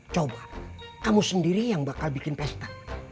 coba kamu sendiri yang bakal bikin pesta